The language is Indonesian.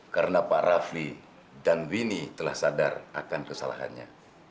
karena pak rafli dan wini telah sadar akan kesalahannya